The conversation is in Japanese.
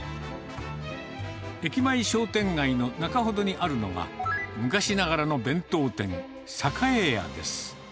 駅前商店街の中程にあるのが、昔ながらの弁当店、さかえやです。